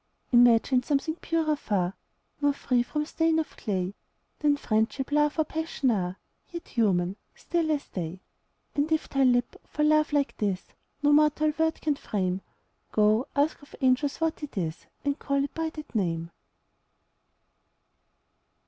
Imagine something purer far, More free from stain of clay Than Friendship, Love, or Passion are, Yet human, still as they: And if thy lip, for love like this, No mortal word can frame, Go, ask of angels what it is, And call it by that name!